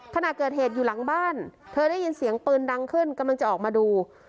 ขณะเกิดเหตุอยู่หลังบ้านเธอได้ยินเสียงปืนดังขึ้นกำลังจะออกมาดู